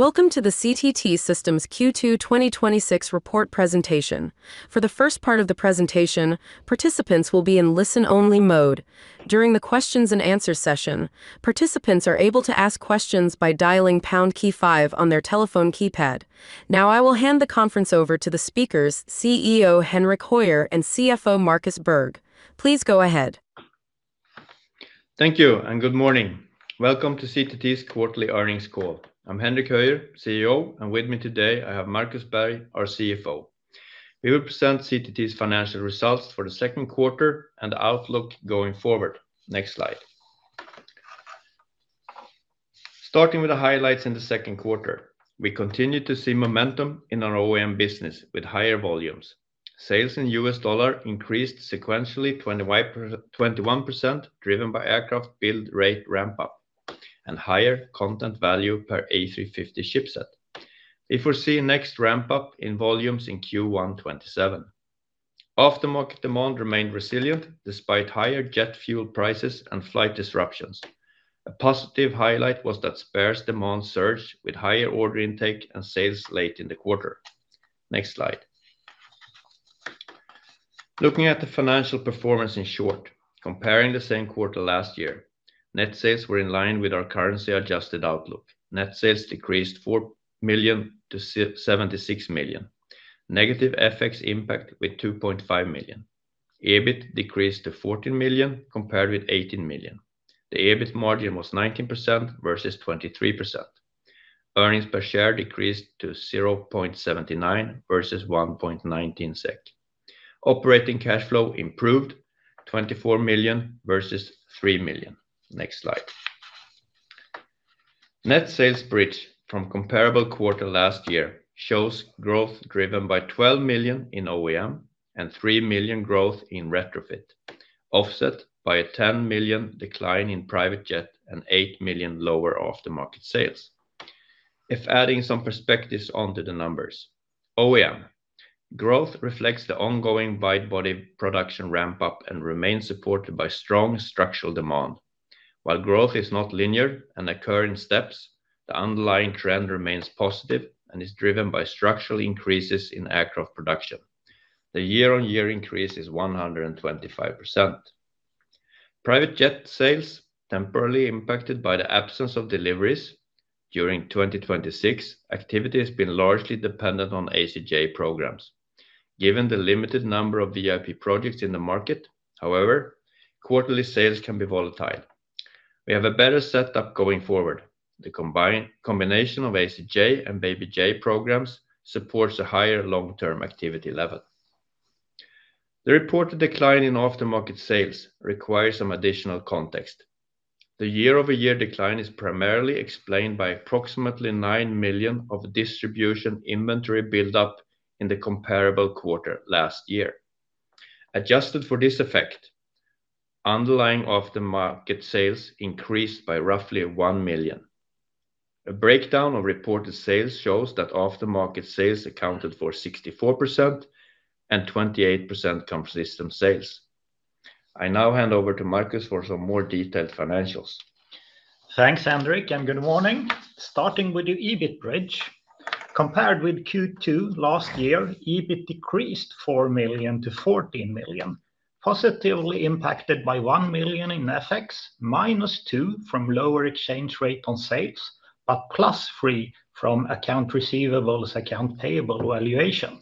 Welcome to the CTT Systems Q2 2026 report presentation. For the first part of the presentation, participants will be in listen-only mode. During the questions and answers session, participants are able to ask questions by dialing pound key five on their telephone keypad. I will hand the conference over to the speakers, CEO Henrik Höjer and CFO Markus Berg. Please go ahead. Thank you. Good morning. Welcome to CTT's quarterly earnings call. I'm Henrik Höjer, CEO, and with me today I have Markus Berg, our CFO. We will present CTT's financial results for the second quarter and outlook going forward. Next slide. Starting with the highlights in the second quarter, we continue to see momentum in our OEM business with higher volumes. Sales in U.S. dollar increased sequentially 21%, driven by aircraft build rate ramp-up and higher content value per A350 ship set. We foresee next ramp-up in volumes in Q1 2027. Aftermarket demand remained resilient despite higher jet fuel prices and flight disruptions. A positive highlight was that spares demand surged with higher order intake and sales late in the quarter. Next slide. Looking at the financial performance in short, comparing the same quarter last year, net sales were in line with our currency-adjusted outlook. Net sales decreased 4% to 76 million. Negative FX impact with 2.5 million. EBIT decreased to 14 million compared with 18 million. The EBIT margin was 19% versus 23%. Earnings per share decreased to 0.79 versus 1.19 SEK. Operating cash flow improved, 24 million versus 3 million. Next slide. Net sales bridge from comparable quarter last year shows growth driven by 12 million in OEM and 3 million growth in retrofit, offset by a 10 million decline in private jet and 8 million lower aftermarket sales. If adding some perspectives onto the numbers. OEM. Growth reflects the ongoing wide-body production ramp-up and remains supported by strong structural demand. While growth is not linear and occur in steps, the underlying trend remains positive and is driven by structural increases in aircraft production. The year-on-year increase is 125%. Private jet sales temporarily impacted by the absence of deliveries during 2026. Activity has been largely dependent on ACJ programs. Given the limited number of VIP projects in the market, however, quarterly sales can be volatile. We have a better setup going forward. The combination of ACJ and BBJ programs supports a higher long-term activity level. The reported decline in aftermarket sales requires some additional context. The year-over-year decline is primarily explained by approximately 9 million of distribution inventory buildup in the comparable quarter last year. Adjusted for this effect, underlying aftermarket sales increased by roughly 1 million. A breakdown of reported sales shows that aftermarket sales accounted for 64% and 28% COM system sales. I now hand over to Markus for some more detailed financials. Thanks, Henrik, and good morning. Starting with the EBIT bridge. Compared with Q2 last year, EBIT decreased 4 million-14 million, positively impacted by 1 million in FX, -2 million from lower exchange rate on sales, +3 million from accounts receivables, accounts payable valuation.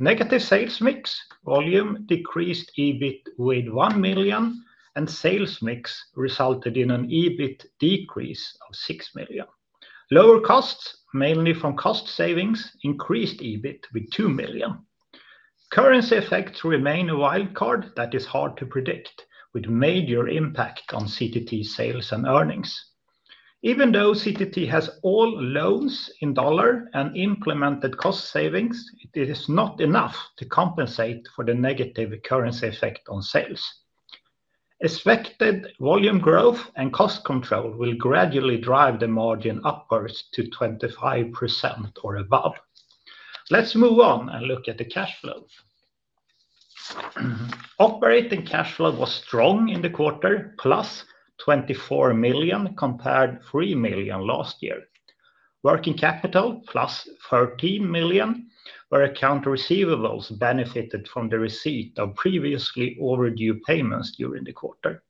Negative sales mix volume decreased EBIT with 1 million and sales mix resulted in an EBIT decrease of 6 million. Lower costs, mainly from cost savings, increased EBIT with 2 million. Currency effects remain a wild card that is hard to predict, with major impact on CTT sales and earnings. Even though CTT has all loans in dollar and implemented cost savings, it is not enough to compensate for the negative currency effect on sales. Expected volume growth and cost control will gradually drive the margin upwards to 25% or above. Let's move on and look at the cash flow. Operating cash flow was strong in the quarter, +24 million, compared 3 million last year. Working capital, +13 million, where account receivables benefited from the receipt of previously overdue payments during the quarter.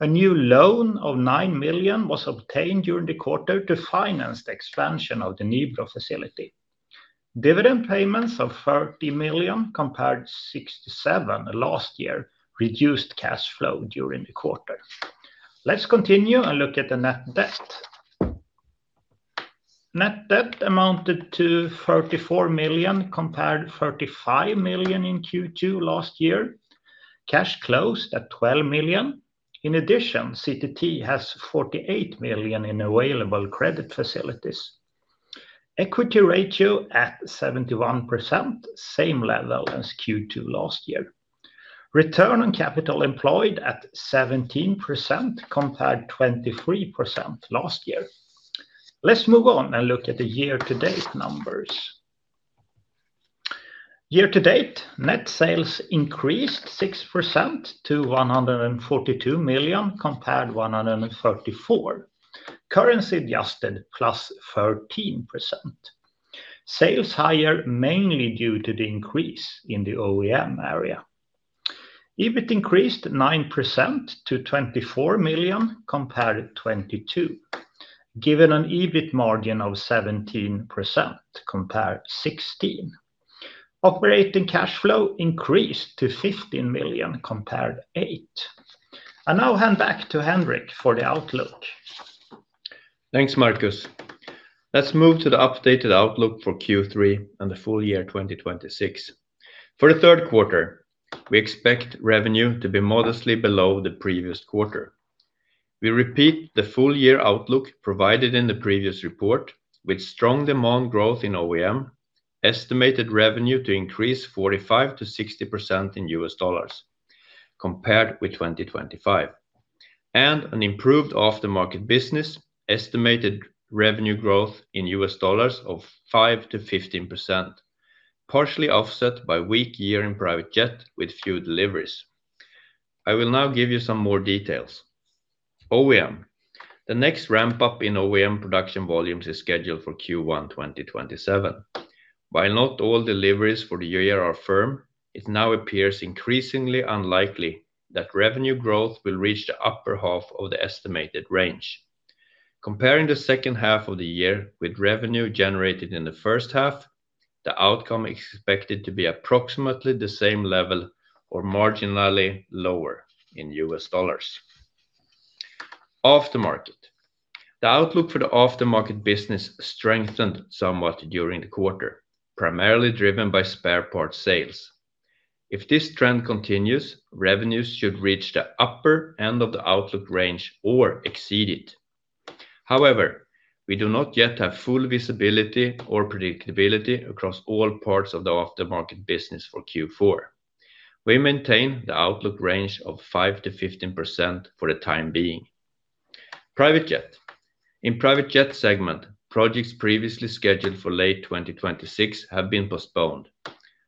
A new loan of 9 million was obtained during the quarter to finance the expansion of the Nybro facility. Dividend payments of 30 million compared 67 million last year reduced cash flow during the quarter. Let's continue and look at the net debt. Net debt amounted to 34 million, compared 35 million in Q2 last year. Cash closed at 12 million. In addition, CTT has 48 million in available credit facilities. Equity ratio at 71%, same level as Q2 last year. Return on capital employed at 17% compared 23% last year. Let's move on and look at the year-to-date numbers. Year-to-date, net sales increased 6% to 142 million, compared 134 million. Currency adjusted +13%. Sales higher mainly due to the increase in the OEM area. EBIT increased 9% to 24 million, compared 22 million. Given an EBIT margin of 17%, compared 16%. Operating cash flow increased to 15 million, compared 8 million. I now hand back to Henrik for the outlook. Thanks, Markus. Let's move to the updated outlook for Q3 and the full year 2026. For the third quarter, we expect revenue to be modestly below the previous quarter. We repeat the full year outlook provided in the previous report, with strong demand growth in OEM, estimated revenue to increase 45%-60% in U.S. dollars compared with 2025, and an improved aftermarket business estimated revenue growth in U.S. dollars of 5%-15%, partially offset by weak year in private jet with few deliveries. I will now give you some more details. OEM. The next ramp-up in OEM production volumes is scheduled for Q1 2027. While not all deliveries for the year are firm, it now appears increasingly unlikely that revenue growth will reach the upper half of the estimated range. Comparing the second half of the year with revenue generated in the first half, the outcome expected to be approximately the same level or marginally lower in U.S. dollars. Aftermarket. The outlook for the aftermarket business strengthened somewhat during the quarter, primarily driven by spare parts sales. If this trend continues, revenues should reach the upper end of the outlook range or exceed it. However, we do not yet have full visibility or predictability across all parts of the aftermarket business for Q4. We maintain the outlook range of 5%-15% for the time being. Private jet. In private jet segment, projects previously scheduled for late 2026 have been postponed.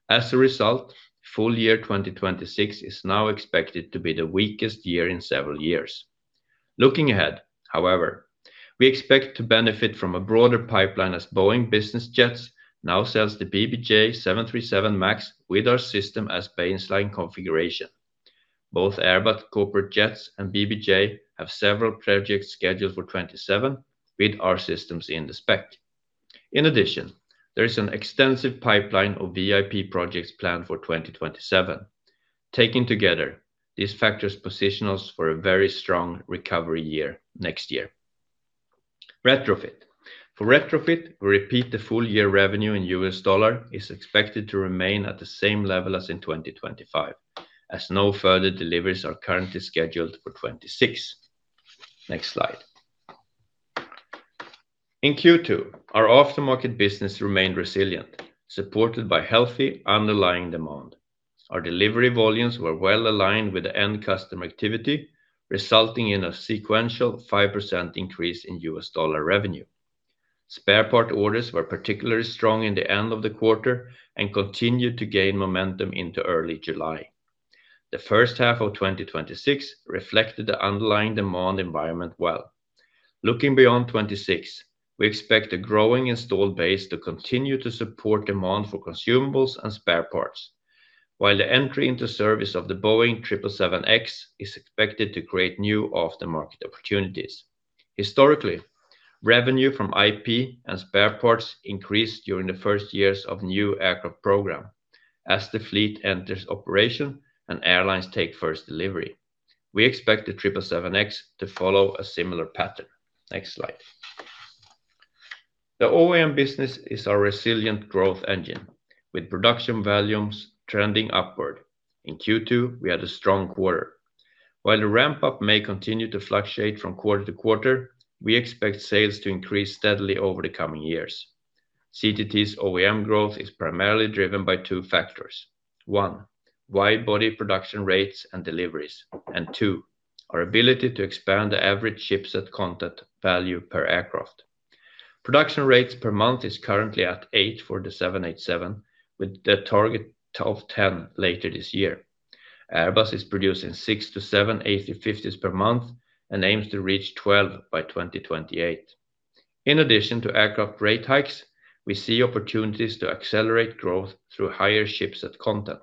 As a result, full year 2026 is now expected to be the weakest year in several years. Looking ahead, however, we expect to benefit from a broader pipeline as Boeing Business Jets now sells the BBJ 737 MAX with our system as baseline configuration. Both Airbus Corporate Jets and BBJ have several projects scheduled for 2027 with our systems in the spec. In addition, there is an extensive pipeline of VIP projects planned for 2027. Taken together, these factors position us for a very strong recovery year next year. Retrofit. For retrofit, we repeat the full year revenue in U.S. dollar is expected to remain at the same level as in 2025, as no further deliveries are currently scheduled for 2026. Next slide. In Q2, our aftermarket business remained resilient, supported by healthy underlying demand. Our delivery volumes were well-aligned with the end customer activity, resulting in a sequential 5% increase in U.S. dollar revenue. Spare part orders were particularly strong in the end of the quarter and continued to gain momentum into early July. The first half of 2026 reflected the underlying demand environment well. Looking beyond 2026, we expect a growing installed base to continue to support demand for consumables and spare parts. While the entry into service of the Boeing 777X is expected to create new aftermarket opportunities. Historically, revenue from IP and spare parts increased during the first years of new aircraft program. As the fleet enters operation and airlines take first delivery, we expect the 777X to follow a similar pattern. Next slide. The OEM business is our resilient growth engine, with production volumes trending upward. In Q2, we had a strong quarter. While the ramp-up may continue to fluctuate from quarter to quarter, we expect sales to increase steadily over the coming years. CTT's OEM growth is primarily driven by two factors. One, wide body production rates and deliveries. Two, our ability to expand the average shipset content value per aircraft. Production rates per month is currently at eight for the 787, with the target of 10 later this year. Airbus is producing six to seven A350s per month and aims to reach 12 by 2028. In addition to aircraft rate hikes, we see opportunities to accelerate growth through higher shipset content.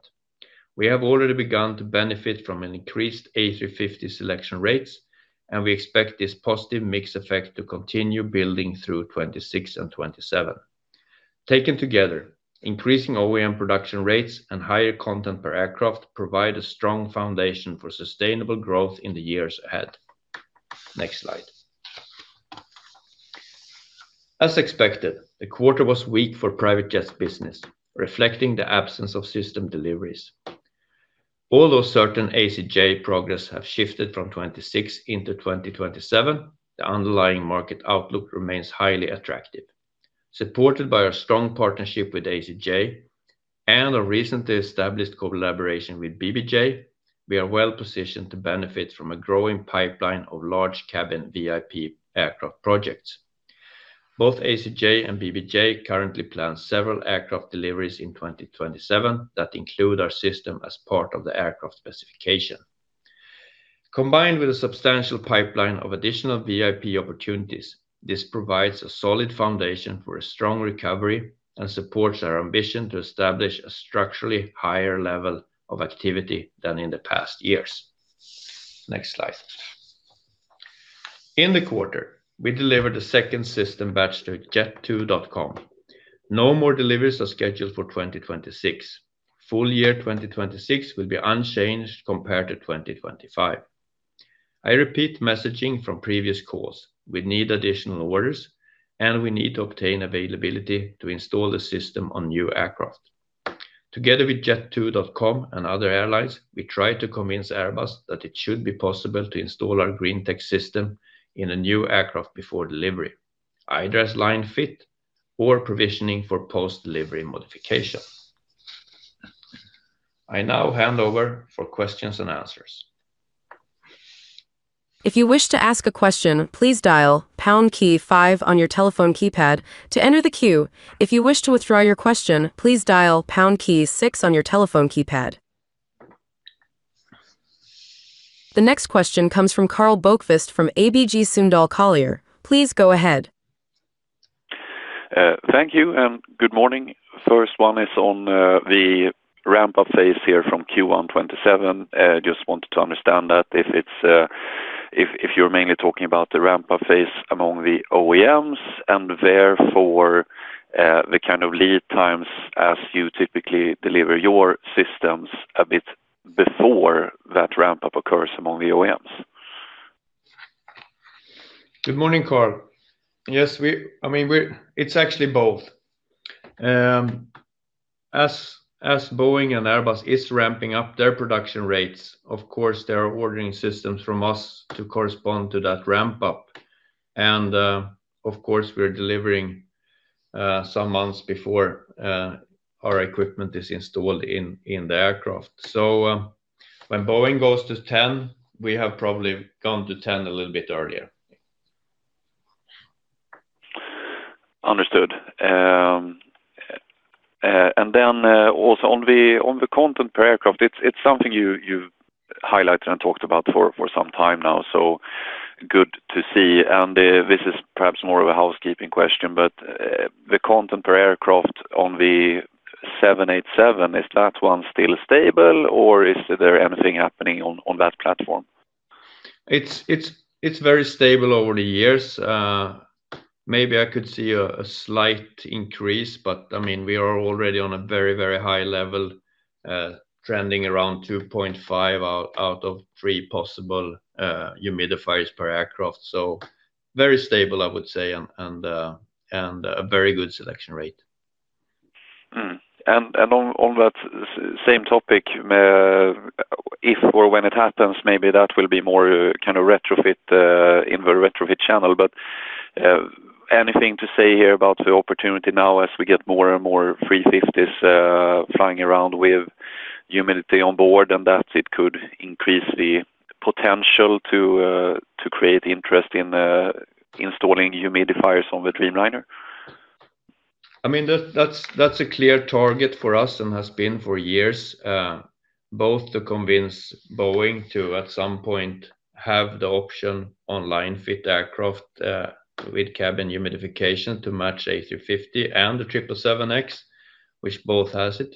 We have already begun to benefit from an increased A350 selection rates, and we expect this positive mix effect to continue building through 2026 and 2027. Taken together, increasing OEM production rates and higher content per aircraft provide a strong foundation for sustainable growth in the years ahead. Next slide. As expected, the quarter was weak for private jet's business, reflecting the absence of system deliveries. Although certain ACJ progress have shifted from 2026 into 2027, the underlying market outlook remains highly attractive. Supported by our strong partnership with ACJ and a recently established collaboration with BBJ, we are well-positioned to benefit from a growing pipeline of large cabin VIP aircraft projects. Both ACJ and BBJ currently plan several aircraft deliveries in 2027 that include our system as part of the aircraft specification. Combined with a substantial pipeline of additional VIP opportunities, this provides a solid foundation for a strong recovery and supports our ambition to establish a structurally higher level of activity than in the past years. Next slide. In the quarter, we delivered the second system batch to Jet2.com. No more deliveries are scheduled for 2026. Full year 2026 will be unchanged compared to 2025. I repeat messaging from previous calls. We need additional orders, and we need to obtain availability to install the system on new aircraft. Together with Jet2.com and other airlines, we try to convince Airbus that it should be possible to install our green technology system in a new aircraft before delivery, either as line fit or provisioning for post-delivery modification. I now hand over for questions and answers. If you wish to ask a question, please dial pound key five on your telephone keypad to enter the queue. If you wish to withdraw your question, please dial pound key six on your telephone keypad. The next question comes from Karl Bokvist from ABG Sundal Collier. Please go ahead. Thank you, and good morning. First one is on the ramp-up phase here from Q1 2027. Just wanted to understand that, if you're mainly talking about the ramp-up phase among the OEMs, and therefore, the kind of lead times as you typically deliver your systems a bit before that ramp-up occurs among the OEMs? Good morning, Karl. Yes. It's actually both. As Boeing and Airbus is ramping up their production rates, of course, they are ordering systems from us to correspond to that ramp-up. Of course, we are delivering some months before our equipment is installed in the aircraft. When Boeing goes to 10, we have probably gone to 10 a little bit earlier. Understood. Also on the content per aircraft, it's something you've highlighted and talked about for some time now, so good to see. This is perhaps more of a housekeeping question, but the content per aircraft on the 787, is that one still stable? Or is there anything happening on that platform? It's very stable over the years. Maybe I could see a slight increase, but we are already on a very high level, trending around 2.5 out of three possible humidifiers per aircraft. Very stable, I would say, and a very good selection rate. On that same topic, if or when it happens, maybe that will be more kind of in the retrofit channel. Anything to say here about the opportunity now as we get more and more A350s flying around with humidity on board, and that it could increase the potential to create interest in installing humidifiers on the Dreamliner? That's a clear target for us and has been for years, both to convince Boeing to, at some point, have the option on line-fit aircraft with cabin humidification to match A350 and the 777X, which both has it.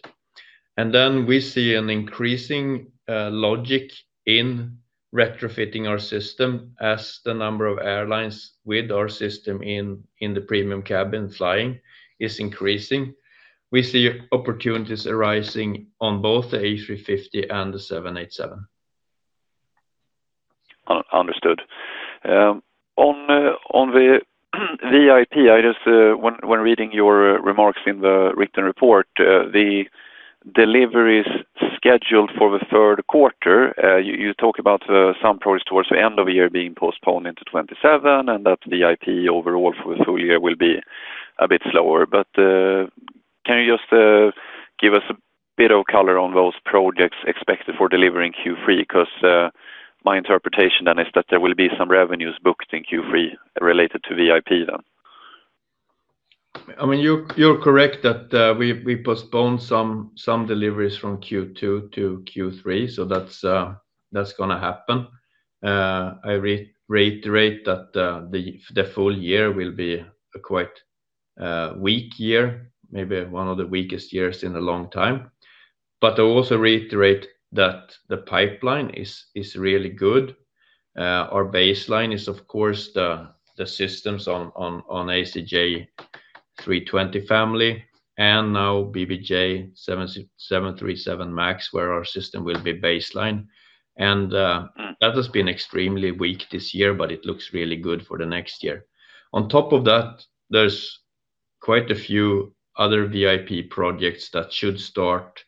We see an increasing logic in retrofitting our system as the number of airlines with our system in the premium cabin flying is increasing. We see opportunities arising on both the A350 and the 787. Understood. On the VIP, when reading your remarks in the written report, the deliveries scheduled for the third quarter, you talk about some projects towards the end of the year being postponed into 2027, and that VIP overall for the full year will be a bit slower. Can you just give us a bit of color on those projects expected for delivery in Q3? Because my interpretation then is that there will be some revenues booked in Q3 related to VIP then. You're correct that we postponed some deliveries from Q2 to Q3. That's going to happen. I reiterate that the full year will be a quite weak year, maybe one of the weakest years in a long time. I also reiterate that the pipeline is really good. Our baseline is, of course, the systems on ACJ320 family and now BBJ 737 MAX, where our system will be baseline. That has been extremely weak this year, but it looks really good for the next year. On top of that, there's quite a few other VIP projects that should start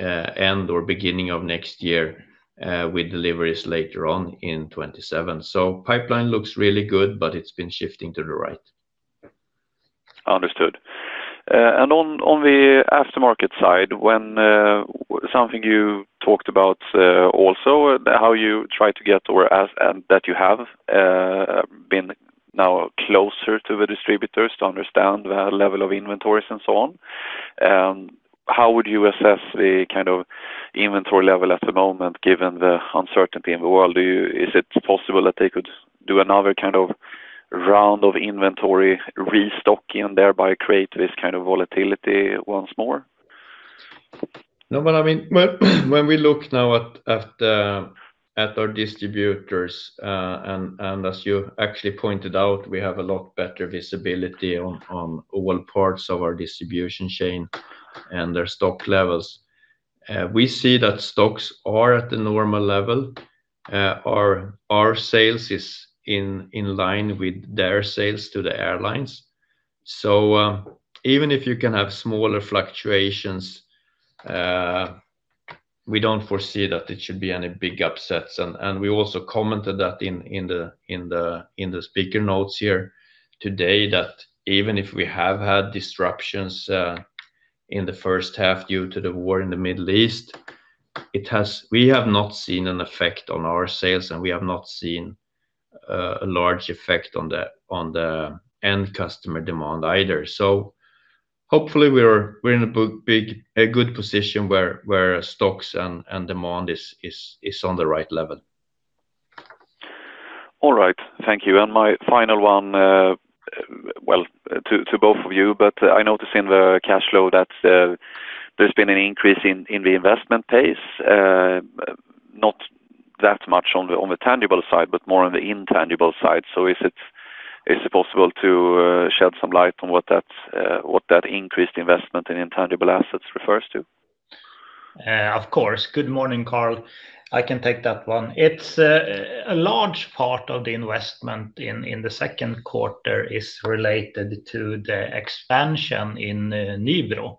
end or beginning of next year, with deliveries later on in 2027. Pipeline looks really good, but it's been shifting to the right. Understood. On the aftermarket side, something you talked about also, how you try to get or that you have been now closer to the distributors to understand the level of inventories and so on. How would you assess the kind of inventory level at the moment, given the uncertainty in the world? Is it possible that they could do another kind of round of inventory restocking and thereby create this kind of volatility once more? I mean, when we look now at our distributors, and as you actually pointed out, we have a lot better visibility on all parts of our distribution chain and their stock levels. We see that stocks are at the normal level. Our sales is in line with their sales to the airlines. Even if you can have smaller fluctuations, we don't foresee that it should be any big upsets. We also commented that in the speaker notes here today, that even if we have had disruptions in the first half due to the war in the Middle East, we have not seen an effect on our sales, and we have not seen a large effect on the end customer demand either. Hopefully we're in a good position where stocks and demand is on the right level. All right. Thank you. My final one, well, to both of you, I notice in the cash flow that there's been an increase in the investment pace. Not that much on the tangible side, but more on the intangible side. Is it possible to shed some light on what that increased investment in intangible assets refers to? Of course. Good morning, Karl. I can take that one. A large part of the investment in the second quarter is related to the expansion in Nybro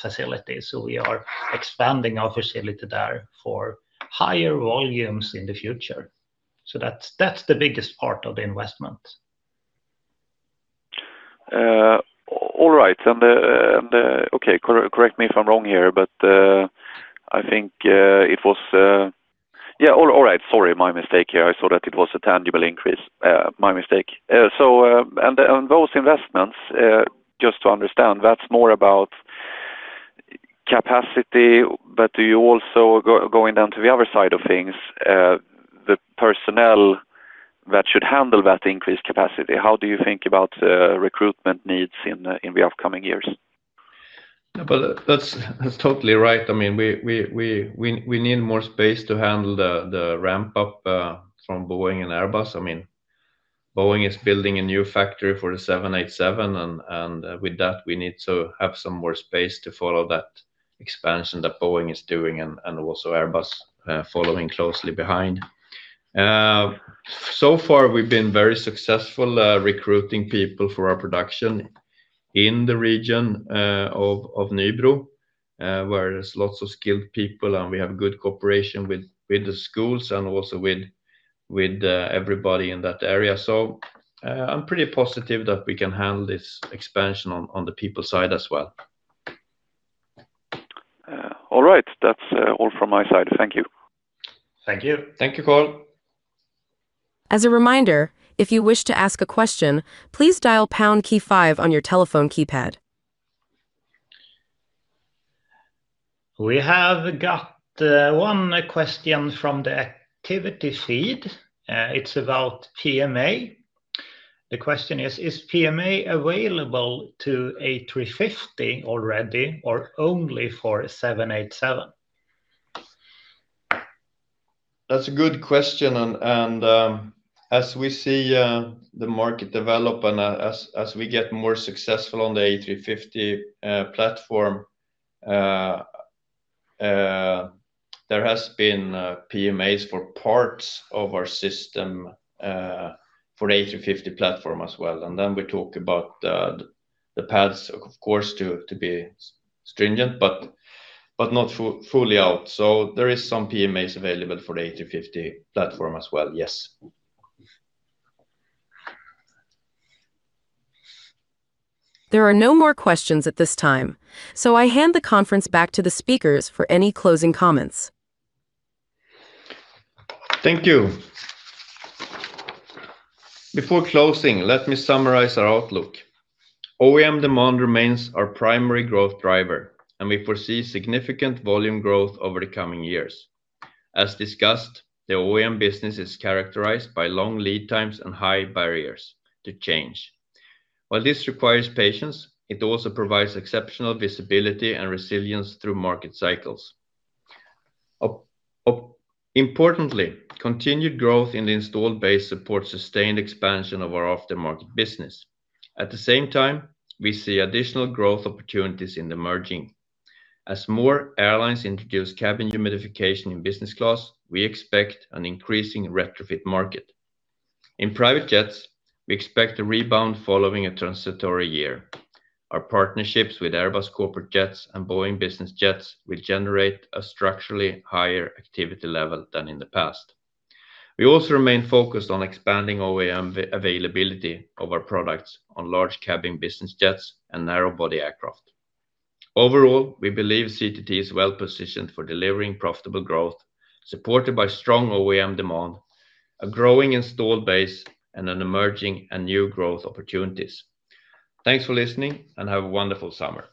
facility. We are expanding our facility there for higher volumes in the future. That's the biggest part of the investment. All right. Okay, correct me if I'm wrong here. Sorry, my mistake here. I saw that it was a tangible increase. My mistake. On those investments, just to understand, that's more about capacity, do you also, going down to the other side of things, the personnel that should handle that increased capacity, how do you think about recruitment needs in the upcoming years? That's totally right. I mean, we need more space to handle the ramp-up from Boeing and Airbus. I mean, Boeing is building a new factory for the 787, with that, we need to have some more space to follow that expansion that Boeing is doing and also Airbus following closely behind. Far, we've been very successful recruiting people for our production in the region of Nybro, where there's lots of skilled people, we have good cooperation with the schools and also with everybody in that area. I'm pretty positive that we can handle this expansion on the people side as well. All right. That's all from my side. Thank you. Thank you. Thank you, Karl. As a reminder, if you wish to ask a question, please dial pound key five on your telephone keypad. We have got one question from the activity feed. It's about PMA. The question is: Is PMA available to A350 already or only for 787? That's a good question. As we see the market develop and as we get more successful on the A350 platform, there has been PMAs for parts of our system for the A350 platform as well. We talk about the paths, of course, to be stringent, but not fully out. There is some PMAs available for the A350 platform as well, yes. There are no more questions at this time. I hand the conference back to the speakers for any closing comments. Thank you. Before closing, let me summarize our outlook. OEM demand remains our primary growth driver. We foresee significant volume growth over the coming years. As discussed, the OEM business is characterized by long lead times and high barriers to change. While this requires patience, it also provides exceptional visibility and resilience through market cycles. Importantly, continued growth in the installed base supports sustained expansion of our aftermarket business. At the same time, we see additional growth opportunities in the emerging. As more airlines introduce cabin humidification in business class, we expect an increasing retrofit market. In private jets, we expect a rebound following a transitory year. Our partnerships with Airbus Corporate Jets and Boeing Business Jets will generate a structurally higher activity level than in the past. We also remain focused on expanding OEM availability of our products on large-cabin business jets and narrow-body aircraft. Overall, we believe CTT is well-positioned for delivering profitable growth, supported by strong OEM demand, a growing installed base, and an emerging and new growth opportunities. Thanks for listening. Have a wonderful summer.